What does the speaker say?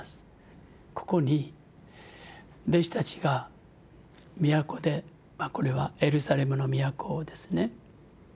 ここに弟子たちが都でこれはエルサレムの都ですね。